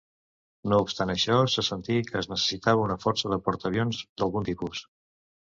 No obstant això, se sentí que es necessitava una força de portaavions d'algun tipus.